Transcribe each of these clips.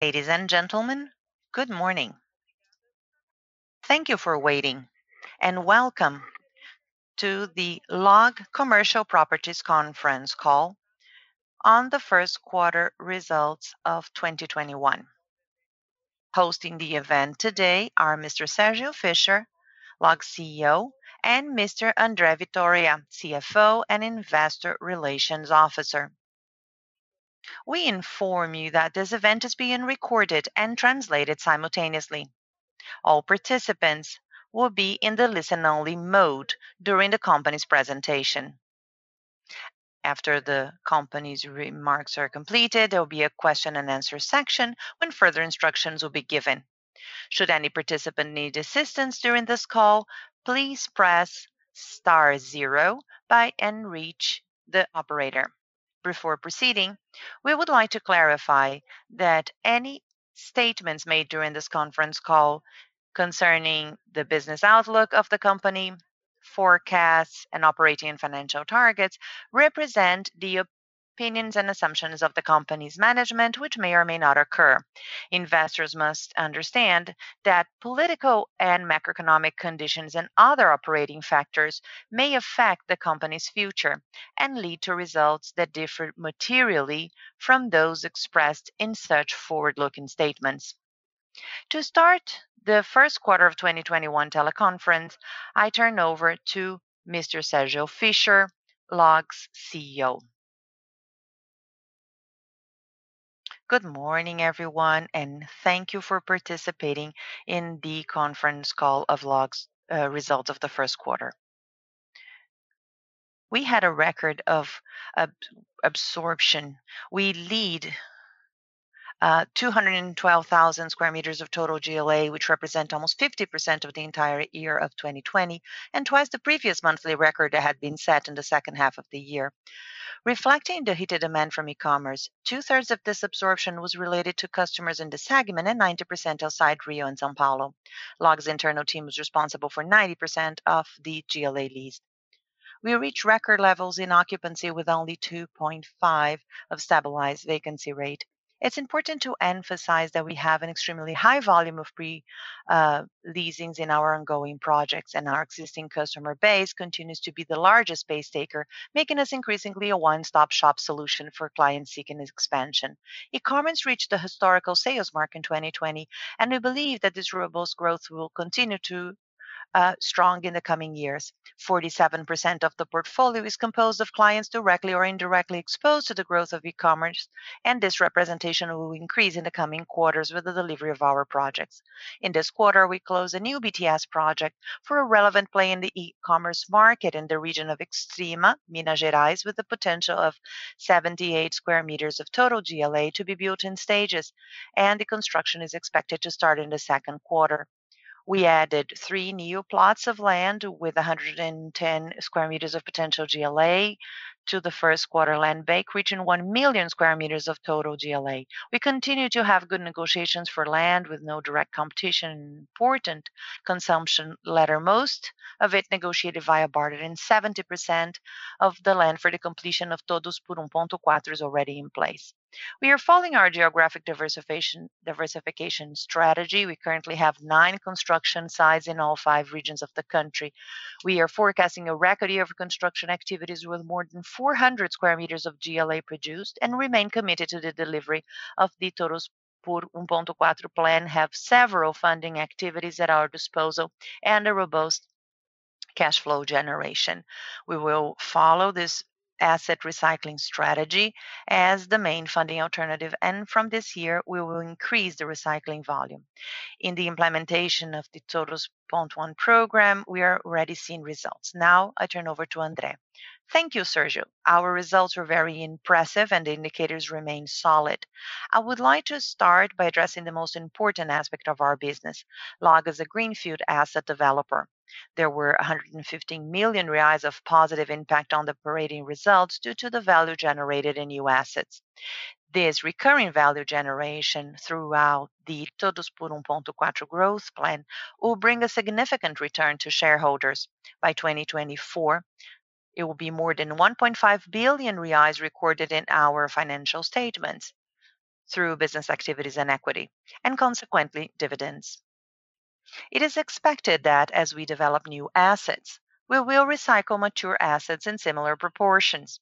Ladies and gentlemen, good morning. Thank you for waiting, and welcome to the LOG Commercial Properties conference call on the first quarter results of 2021. Hosting the event today are Mr. Sérgio Fischer, LOG's CEO, and Mr. André Vitória, CFO and Investor Relations Officer. We inform you that this event is being recorded and translated simultaneously. All participants will be in the listen-only mode during the company's presentation. After the company's remarks are completed, there will be a question and answer section when further instructions will be given. Should any participant need assistance during this call, please press star zero and reach the operator. Before proceeding, we would like to clarify that any statements made during this conference call concerning the business outlook of the company, forecasts, and operating and financial targets, represent the opinions and assumptions of the company's management, which may or may not occur. Investors must understand that political and macroeconomic conditions and other operating factors may affect the company's future and lead to results that differ materially from those expressed in such forward-looking statements. To start the first quarter of 2021 teleconference, I turn it over to Mr. Sérgio Fischer, LOG's CEO. Good morning, everyone, and thank you for participating in the conference call of LOG's results of the first quarter. We had a record of absorption. We leased 212,000 sq m of total GLA, which represent almost 50% of the entire year of 2020, and twice the previous monthly record that had been set in the second half of the year. Reflecting the heated demand from e-commerce, two-thirds of this absorption was related to customers in the segment and 90% outside Rio and São Paulo. LOG's internal team was responsible for 90% of the GLA lease. We reached record levels in occupancy with only 2.5% of stabilized vacancy rate. It's important to emphasize that we have an extremely high volume of pre-leasings in our ongoing projects, and our existing customer base continues to be the largest space taker, making us increasingly a one-stop shop solution for clients seeking expansion. e-commerce reached a historical sales mark in 2020, and we believe that this robust growth will continue strong in the coming years. 47% of the portfolio is composed of clients directly or indirectly exposed to the growth of e-commerce, and this representation will increase in the coming quarters with the delivery of our projects. In this quarter, we closed a new BTS project for a relevant play in the e-commerce market in the region of Extrema, Minas Gerais, with the potential of 78,000 sq m of total GLA to be built in stages, and the construction is expected to start in the second quarter. We added three new plots of land with 110,000 sq m of potential GLA to the first quarter land bank, reaching one million square meters of total GLA. We continue to have good negotiations for land with no direct competition and important consumption letter, most of it negotiated via barter, and 70% of the land for the completion of Todos por 1.4 is already in place. We are following our geographic diversification strategy. We currently have nine construction sites in all five regions of the country. We are forecasting a record year of construction activities with more than 400,000 sq m of GLA produced and remain committed to the delivery of the Todos por 1.4 plan, have several funding activities at our disposal and a robust cash flow generation. We will follow this asset recycling strategy as the main funding alternative. From this year, we will increase the recycling volume. In the implementation of the Todos por 1.4 program, we are already seeing results. Now, I turn it over to André. Thank you, Sérgio Fischer. Our results were very impressive. The indicators remain solid. I would like to start by addressing the most important aspect of our business, LOG as a greenfield asset developer. There were 150 million reais of positive impact on the operating results due to the value generated in new assets. This recurring value generation throughout the Todos por 1.4 growth plan will bring a significant return to shareholders. By 2024, it will be more than 1.5 billion reais recorded in our financial statements through business activities and equity, and consequently, dividends. It is expected that as we develop new assets, we will recycle mature assets in similar proportions,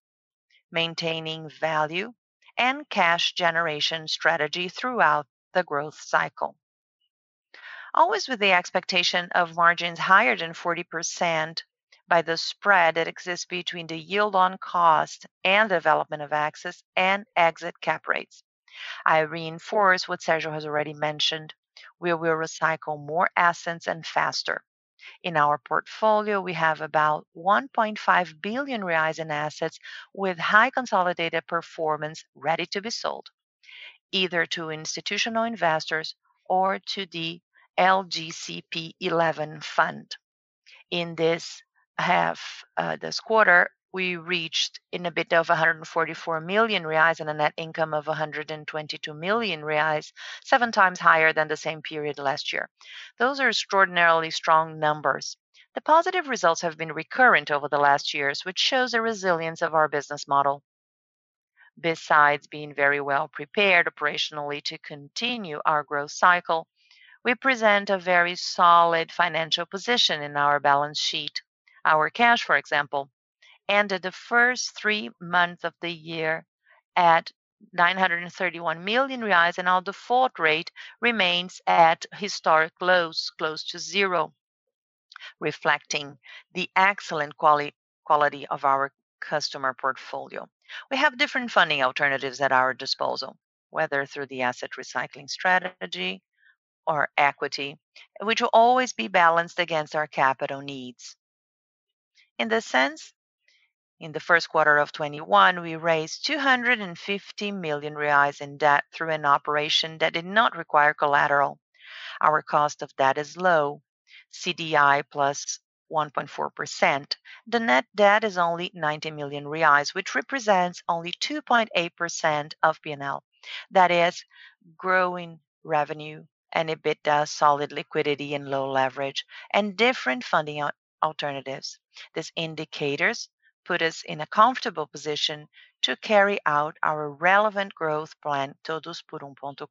maintaining value and cash generation strategy throughout the growth cycle. Always with the expectation of margins higher than 40% by the spread that exists between the yield on cost and development of assets and exit cap rates. I reinforce what Sérgio has already mentioned. We will recycle more assets and faster. In our portfolio, we have about 1.5 billion reais in assets with high consolidated performance ready to be sold, either to institutional investors or to the LGCP11 fund. In this quarter, we reached an EBITDA of 144 million reais and a net income of 122 million reais, seven times higher than the same period last year. Those are extraordinarily strong numbers. The positive results have been recurrent over the last years, which shows a resilience of our business model. Besides being very well prepared operationally to continue our growth cycle, we present a very solid financial position in our balance sheet. Our cash, for example, ended the first three months of the year at 931 million reais, and our default rate remains at historic lows, close to zero, reflecting the excellent quality of our customer portfolio. We have different funding alternatives at our disposal, whether through the asset recycling strategy or equity, which will always be balanced against our capital needs. In the sense, in the first quarter of 2021, we raised 250 million reais in debt through an operation that did not require collateral. Our cost of debt is low, CDI plus 1.4%. The net debt is only 90 million reais, which represents only 2.8% of P&L. That is growing revenue and EBITDA, solid liquidity and low leverage, different funding alternatives. These indicators put us in a comfortable position to carry out our relevant growth plan, Todos por 1.4.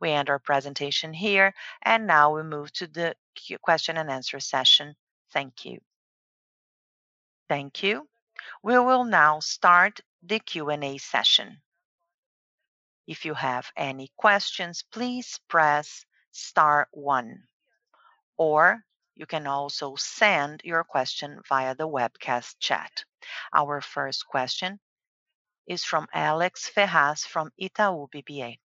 We end our presentation here. Now we move to the Q&A session. Thank you. Thank you. We will now start the Q&A session. If you have any questions, please press star one, or you can also send your question via the webcast chat. Our first question is from Alex Ferraz from Itaú BBA.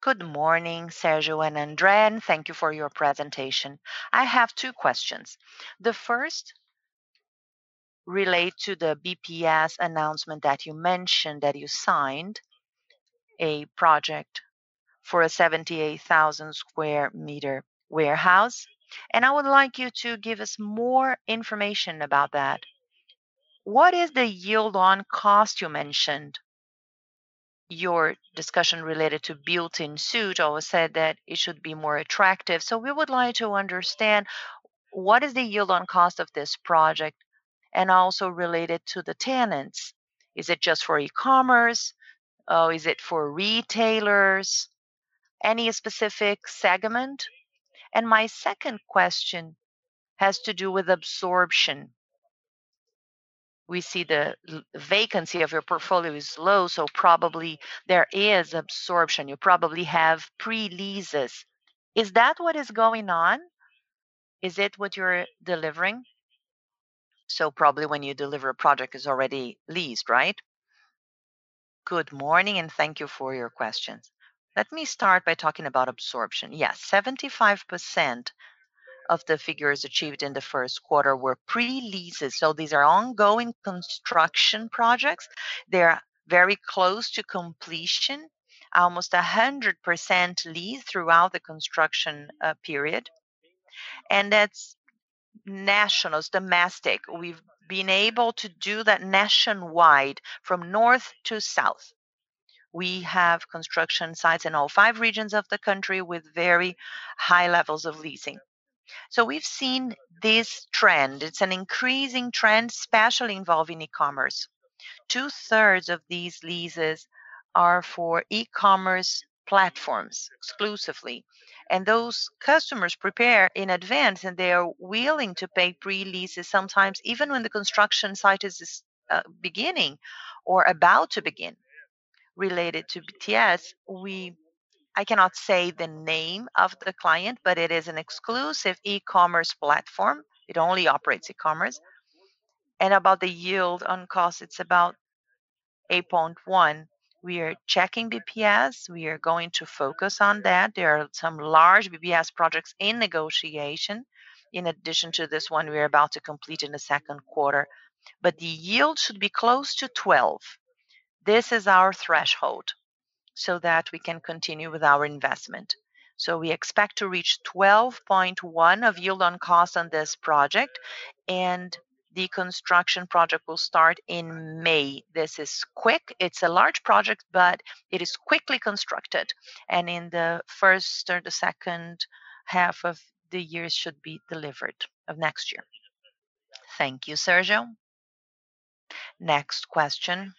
Good morning, Sérgio and André. Thank you for your presentation. I have two questions. The first relates to the BTS announcement that you mentioned that you signed a project for a 78,000 sq m warehouse. I would like you to give us more information about that. What is the yield on cost you mentioned? Your discussion related to build-to-suit always said that it should be more attractive. We would like to understand what is the yield on cost of this project, also related to the tenants. Is it just for e-commerce, or is it for retailers? Any specific segment? My second question has to do with absorption. We see the vacancy of your portfolio is low, probably there is absorption. You probably have pre-leases. Is that what is going on? Is it what you're delivering? Probably when you deliver a project, it's already leased, right? Good morning. Thank you for your questions. Let me start by talking about absorption. Yes, 75% of the figures achieved in the first quarter were pre-leases. These are ongoing construction projects. They are very close to completion, almost 100% leased throughout the construction period, and that's national, it's domestic. We've been able to do that nationwide, from north to south. We have construction sites in all five regions of the country with very high levels of leasing. We've seen this trend. It's an increasing trend, especially involving e-commerce. Two-thirds of these leases are for e-commerce platforms exclusively, and those customers prepare in advance, and they are willing to pay pre-leases sometimes even when the construction site is just beginning or about to begin. Related to BTS, I cannot say the name of the client, but it is an exclusive e-commerce platform. It only operates e-commerce. About the yield on cost, it's about 8.1. We are checking BTS. We are going to focus on that. There are some large BTS projects in negotiation in addition to this one we are about to complete in the second quarter. The yield should be close to 12. This is our threshold so that we can continue with our investment. We expect to reach 12.1 of yield on cost on this project, and the construction project will start in May. This is quick. It's a large project, but it is quickly constructed, and in the first or the second half of the year, it should be delivered of next year. Thank you, Sérgio. Next question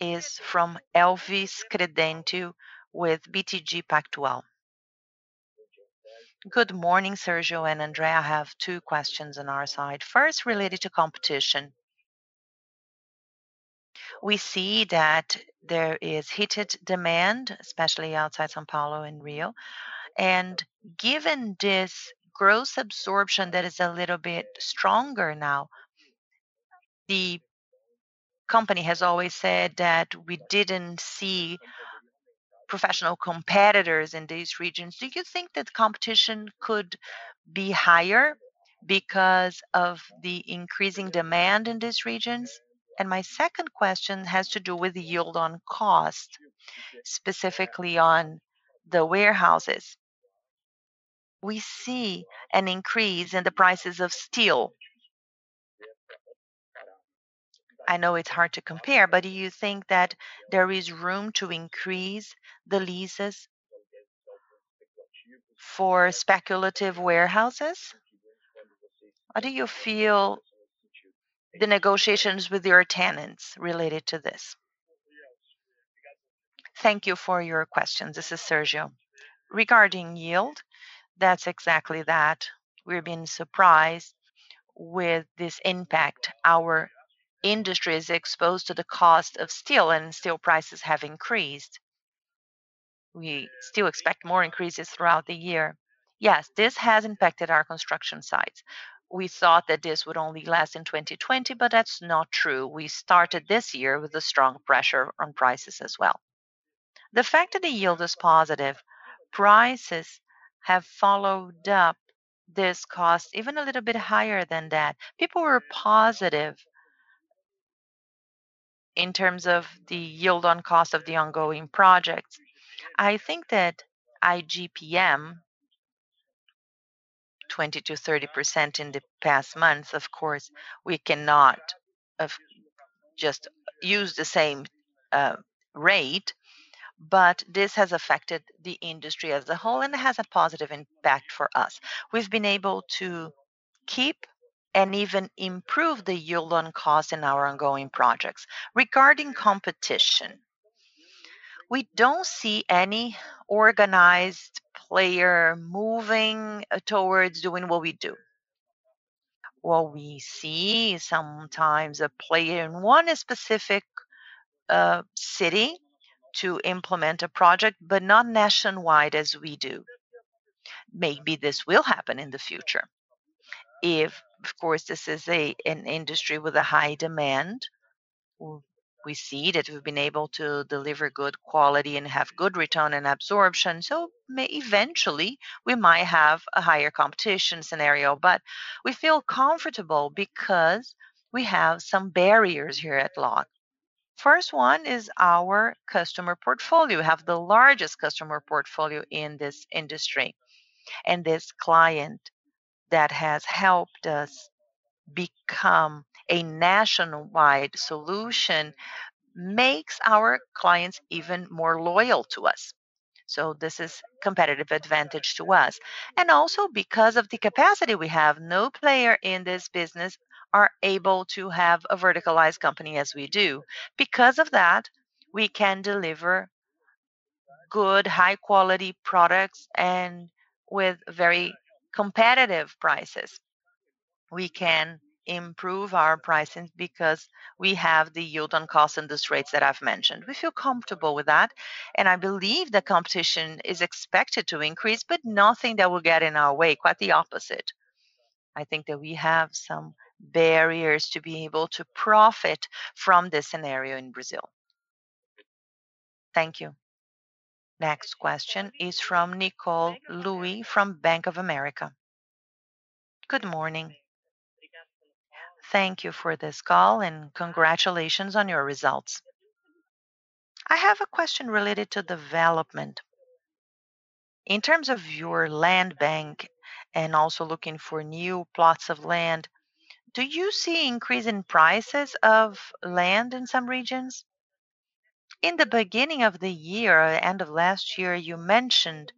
is from Elvis Credendio with BTG Pactual. Good morning, Sérgio and André Vitória. I have two questions on our side. First, related to competition. We see that there is heated demand, especially outside São Paulo and Rio. Given this gross absorption that is a little bit stronger now, the company has always said that we didn't see professional competitors in these regions. Do you think that competition could be higher because of the increasing demand in these regions? My second question has to do with the yield on cost, specifically on the warehouses. We see an increase in the prices of steel. I know it's hard to compare, but do you think that there is room to increase the leases for speculative warehouses? How do you feel the negotiations with your tenants related to this? Thank you for your questions. This is Sérgio. Regarding yield, that's exactly that. We're being surprised with this impact. Our industry is exposed to the cost of steel, and steel prices have increased. We still expect more increases throughout the year. Yes, this has impacted our construction sites. We thought that this would only last in 2020. That's not true. We started this year with a strong pressure on prices as well. The fact that the yield is positive, prices have followed up this cost even a little bit higher than that. People were positive in terms of the yield on cost of the ongoing projects. I think that IGPM 20%-30% in the past months, of course, we cannot just use the same rate. This has affected the industry as a whole, and it has a positive impact for us. We've been able to keep and even improve the yield on cost in our ongoing projects. Regarding competition, we don't see any organized player moving towards doing what we do. What we see sometimes a player in one specific city to implement a project, but not nationwide as we do. Maybe this will happen in the future. If, of course, this is an industry with a high demand. We see that we've been able to deliver good quality and have good return and absorption. Eventually, we might have a higher competition scenario. We feel comfortable because we have some barriers here at LOG. First one is our customer portfolio. We have the largest customer portfolio in this industry. This client that has helped us become a nationwide solution makes our clients even more loyal to us. This is competitive advantage to us. Also because of the capacity we have, no player in this business are able to have a verticalized company as we do. Because of that, we can deliver good, high-quality products and with very competitive prices. We can improve our pricing because we have the yield on cost and these rates that I've mentioned. We feel comfortable with that, and I believe that competition is expected to increase, but nothing that will get in our way, quite the opposite. I think that we have some barriers to be able to profit from this scenario in Brazil. Thank you. Next question is from Nicole Inui from Bank of America. Good morning. Thank you for this call, and congratulations on your results. I have a question related to development. In terms of your land bank and also looking for new plots of land, do you see increase in prices of land in some regions? In the beginning of the year or end of last year, you mentioned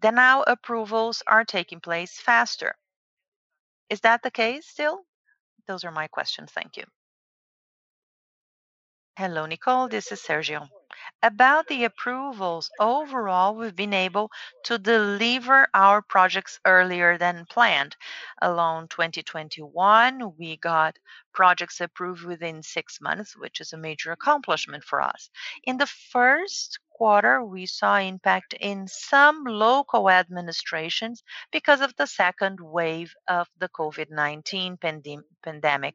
that now approvals are taking place faster. Is that the case still? Those are my questions. Thank you. Hello, Nicole. This is Sérgio. About the approvals, overall, we've been able to deliver our projects earlier than planned. Alone 2021, we got projects approved within six months, which is a major accomplishment for us. In the first quarter, we saw impact in some local administrations because of the second wave of the COVID-19 pandemic.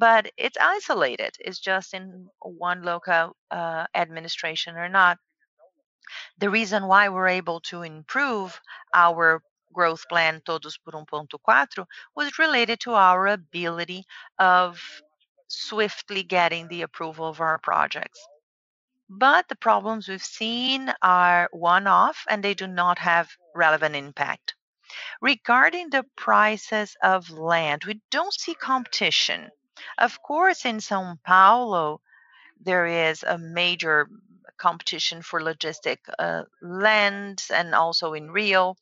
It's isolated. It's just in one local administration. The reason why we're able to improve our growth plan, Todos por 1.4, was related to our ability of swiftly getting the approval of our projects. The problems we've seen are one-off, and they do not have relevant impact. Regarding the prices of land, we don't see competition. Of course, in São Paulo, there is a major competition for logistic lands and also in Rio.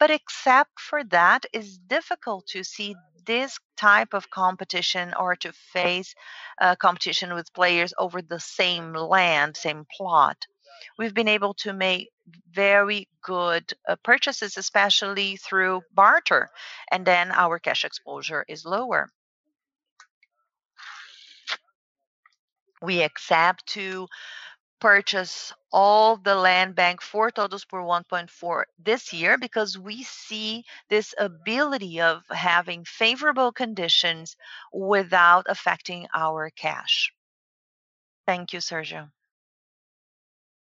Except for that, it's difficult to see this type of competition or to face competition with players over the same land, same plot. We've been able to make very good purchases, especially through barter, and then our cash exposure is lower. We accept to purchase all the land bank for Todos por 1.4 this year because we see this ability of having favorable conditions without affecting our cash. Thank you, Sérgio.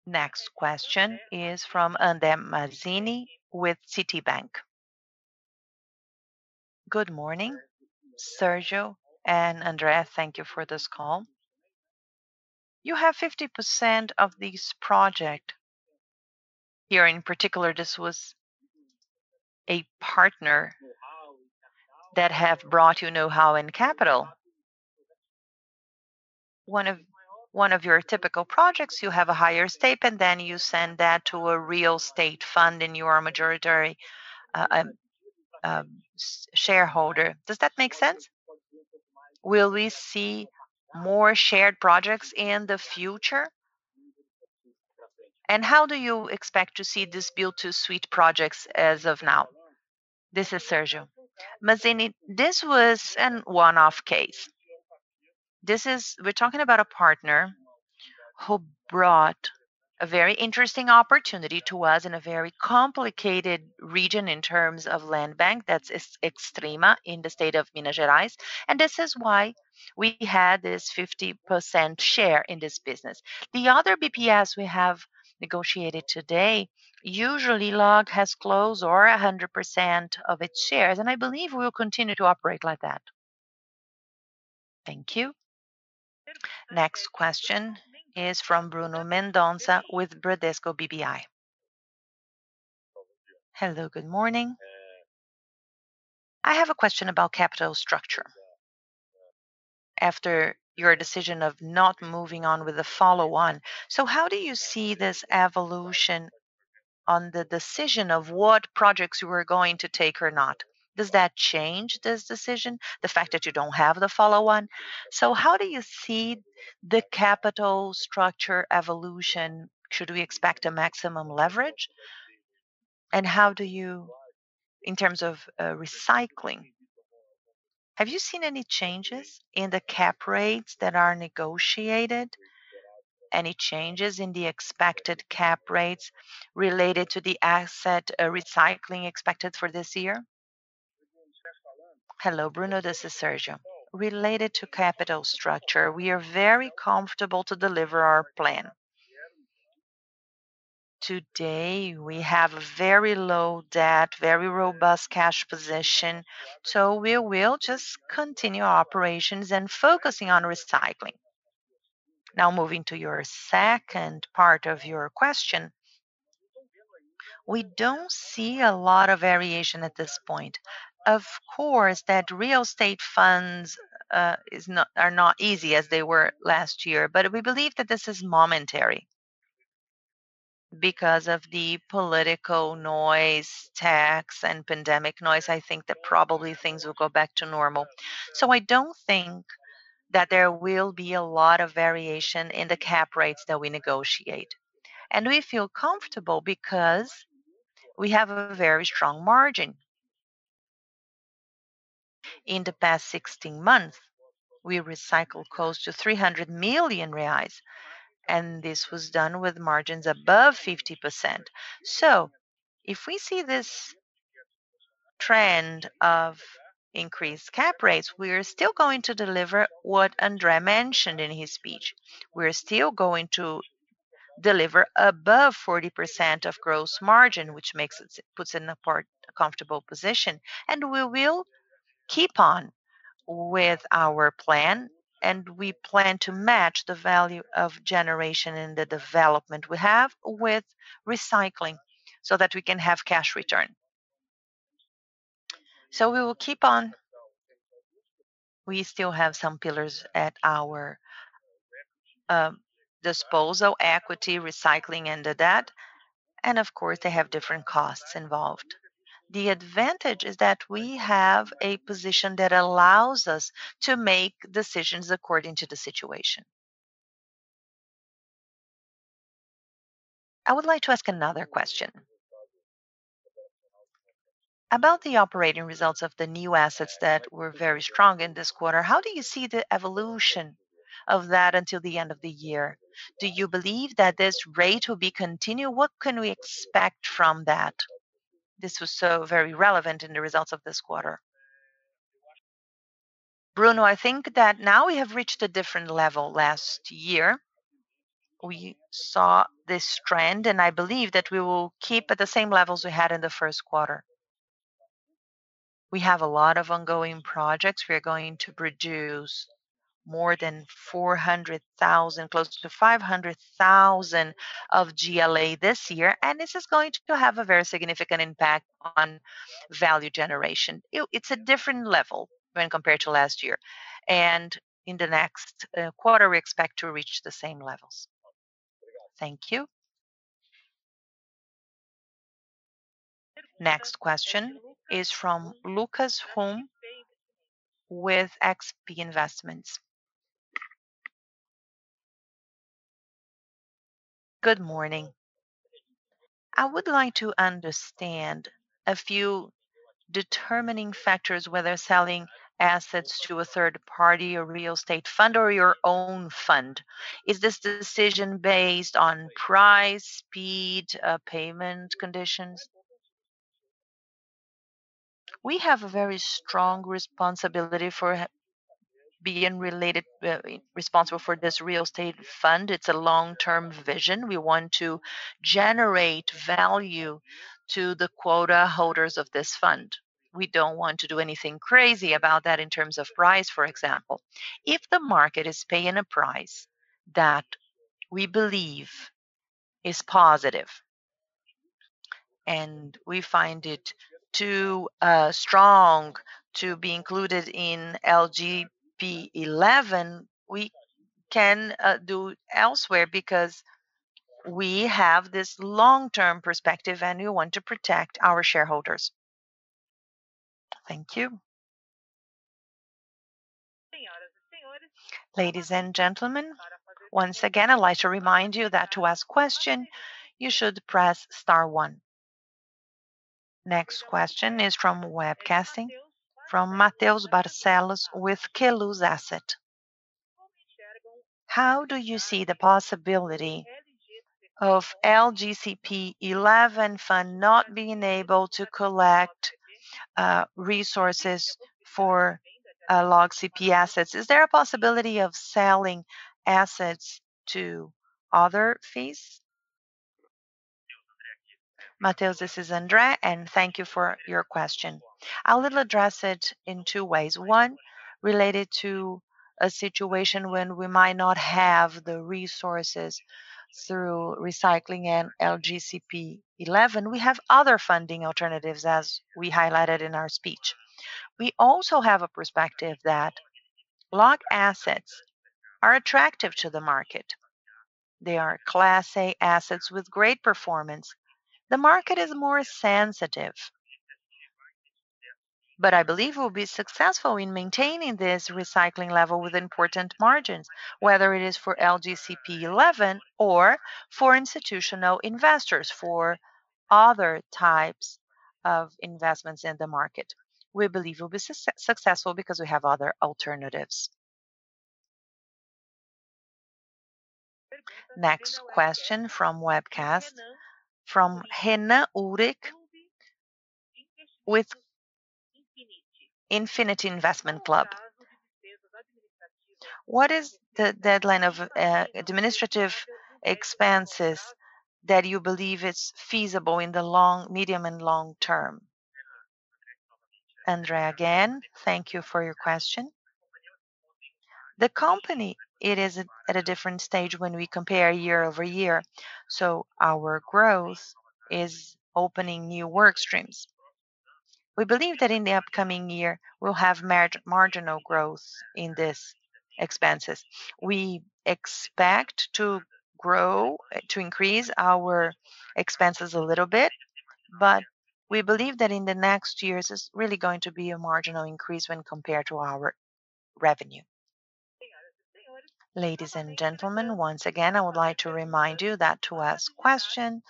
Next question is from Andre Mazzini with Citibank. Good morning, Sérgio and André. Thank you for this call. You have 50% of this project. Here in particular, this was a partner that have brought you know-how and capital. One of your typical projects, you have a higher stake, and then you send that to a real estate fund and you are a majority shareholder. Does that make sense? Will we see more shared projects in the future? How do you expect to see these build-to-suit projects as of now? This is Sérgio. Mazzini, this was a one-off case. We're talking about a partner who brought a very interesting opportunity to us in a very complicated region in terms of land bank, that's Extrema in the state of Minas Gerais, and this is why we had this 50% share in this business. The other BTS we have negotiated today, usually LOG has close or 100% of its shares, and I believe we will continue to operate like that. Thank you. Next question is from Bruno Mendonça with Bradesco BBI. Hello, good morning. I have a question about capital structure. After your decision of not moving on with the follow-on, how do you see this evolution on the decision of what projects you are going to take or not? Does that change this decision, the fact that you don't have the follow-on? How do you see the capital structure evolution? Should we expect a maximum leverage? In terms of recycling, have you seen any changes in the cap rates that are negotiated? Any changes in the expected cap rates related to the asset recycling expected for this year? Hello, Bruno. This is Sérgio. Related to capital structure, we are very comfortable to deliver our plan. Today, we have very low debt, very robust cash position. We will just continue operations and focusing on recycling. Now, moving to your second part of your question. We don't see a lot of variation at this point. Of course, that real estate funds are not easy as they were last year. We believe that this is momentary. Because of the political noise, tax, and pandemic noise, I think that probably things will go back to normal. I don't think that there will be a lot of variation in the cap rates that we negotiate. We feel comfortable because we have a very strong margin. In the past 16 months, we recycled close to 300 million reais, and this was done with margins above 50%. If we see this trend of increased cap rates, we are still going to deliver what André mentioned in his speech. We're still going to deliver above 40% of gross margin, which puts in a comfortable position, and we will keep on with our plan, and we plan to match the value of generation in the development we have with recycling so that we can have cash return. We will keep on. We still have some pillars at our disposal, equity, recycling, and the debt, and of course, they have different costs involved. The advantage is that we have a position that allows us to make decisions according to the situation. I would like to ask another question. About the operating results of the new assets that were very strong in this quarter, how do you see the evolution of that until the end of the year? Do you believe that this rate will be continued? What can we expect from that? This was so very relevant in the results of this quarter. Bruno, I think that now we have reached a different level. Last year, we saw this trend, and I believe that we will keep at the same levels we had in the first quarter. We have a lot of ongoing projects. We are going to produce more than 400,000, close to 500,000 of GLA this year. This is going to have a very significant impact on value generation. It's a different level when compared to last year. In the next quarter, we expect to reach the same levels. Thank you. Next question is from Lucas Hoon with XP Investments. Good morning. I would like to understand a few determining factors, whether selling assets to a third party, a real estate fund or your own fund. Is this decision based on price, speed, payment conditions? We have a very strong responsibility for being responsible for this real estate fund. It's a long-term vision. We want to generate value to the quota holders of this fund. We don't want to do anything crazy about that in terms of price, for example. If the market is paying a price that we believe is positive. We find it too strong to be included in LGCP11. We can do elsewhere because we have this long-term perspective, and we want to protect our shareholders. Thank you. Ladies and gentlemen, once again, I'd like to remind you that to ask question, you should press star one. Next question is from webcasting, from Matheus Barcelos with Queluz Asset. How do you see the possibility of LGCP11 fund not being able to collect resources for LOGCP assets? Is there a possibility of selling assets to other FIIs? Matheus, this is André, thank you for your question. I will address it in two ways. One, related to a situation when we might not have the resources through recycling and LGCP11. We have other funding alternatives, as we highlighted in our speech. We also have a perspective that LOG assets are attractive to the market. They are Class A assets with great performance. The market is more sensitive. I believe we'll be successful in maintaining this recycling level with important margins, whether it is for LGCP11 or for institutional investors, for other types of investments in the market. We believe we'll be successful because we have other alternatives. Next question from webcast, from Renan Urick with Infinity Investment Club. What is the deadline of administrative expenses that you believe is feasible in the medium and long term? André again. Thank you for your question. The company, it is at a different stage when we compare year-over-year, our growth is opening new work streams. We believe that in the upcoming year, we'll have marginal growth in these expenses. We expect to increase our expenses a little bit, but we believe that in the next years, it's really going to be a marginal increase when compared to our revenue. Ladies and gentlemen, once again, I would like to remind you that to ask question,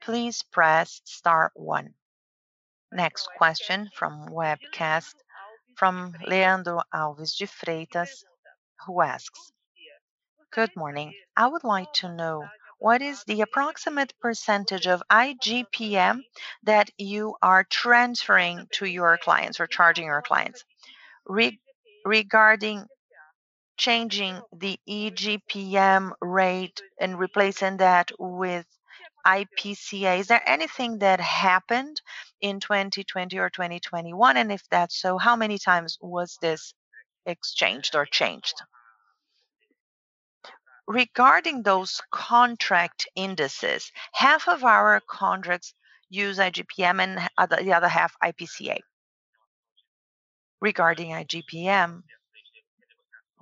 please press star one. Next question from webcast from Leandro Alves de Freitas, who asks: Good morning. I would like to know, what is the approximate percentage of IGPM that you are transferring to your clients or charging your clients? Regarding changing the IGPM rate and replacing that with IPCA, is there anything that happened in 2020 or 2021? If that's so, how many times was this exchanged or changed? Regarding those contract indices, half of our contracts use IGPM and the other half IPCA. Regarding IGPM,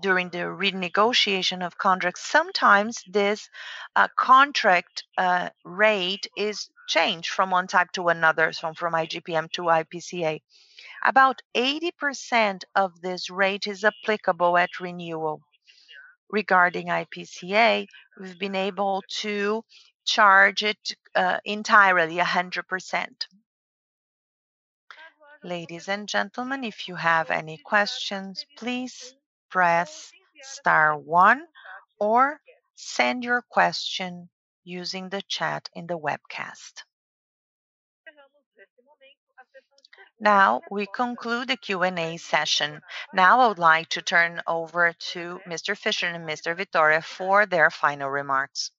during the renegotiation of contracts, sometimes this contract rate is changed from one type to another, from IGPM to IPCA. About 80% of this rate is applicable at renewal. Regarding IPCA, we've been able to charge it entirely 100%. Ladies and gentlemen, if you have any questions, please press star one or send your question using the chat in the webcast. We conclude the Q&A session. I would like to turn over to Mr. Fischer and Mr. Vitória for their final remarks.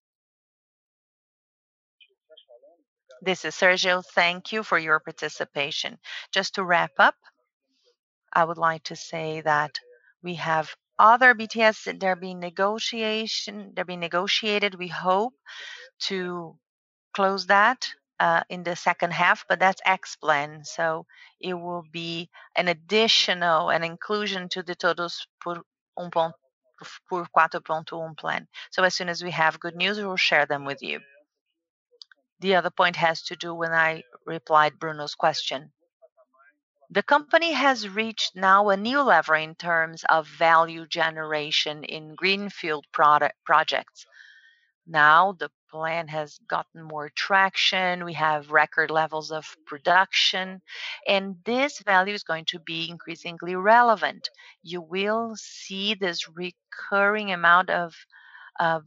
This is Sérgio. Thank you for your participation. Just to wrap up, I would like to say that we have other BTS that are being negotiated. We hope to close that in the second half. That's ex-plan, so it will be an additional, an inclusion to the Todos por 1.4 plan. As soon as we have good news, we will share them with you. The other point has to do when I replied Bruno's question. The company has reached now a new level in terms of value generation in greenfield projects. Now, the plan has gotten more traction. We have record levels of production, and this value is going to be increasingly relevant. You will see this recurring amount of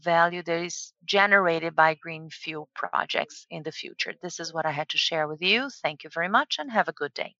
value that is generated by greenfield projects in the future. This is what I had to share with you. Thank you very much and have a good day.